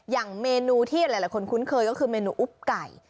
อย่างเมนูที่หลายคนคุ้นเคยก็คือเมนูอุ๊บไก่